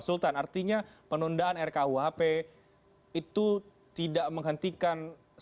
sultan artinya penundaan rkuhp itu tidak menghentikan